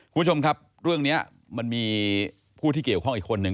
คุณผู้ชมครับเรื่องนี้มันมีผู้ที่เกี่ยวข้องอีกคนนึง